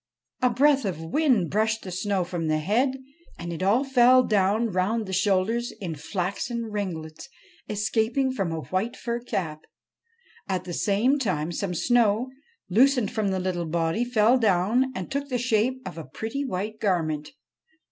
A breath of wind brushed the snow from the head, and it all fell down round the shoulders in flaxen ringlets escaping from a white fur cap. At the same time some snow, loosened from the little body, fell down and took the shape of a pretty white garment.